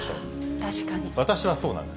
私はそうなんです。